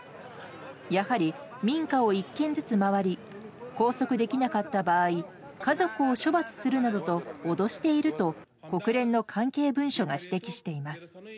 やはり民家を１軒ずつ回り拘束できなかった場合家族を処罰するなどと脅していると国連の関係文書が指摘しています。